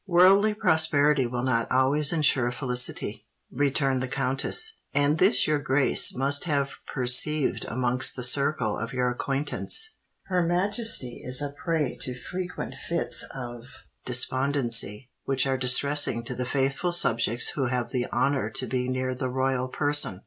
"Worldly prosperity will not always ensure felicity," returned the countess; "and this your grace must have perceived amongst the circle of your acquaintance. Her Majesty is a prey to frequent fits of despondency, which are distressing to the faithful subjects who have the honour to be near the royal person.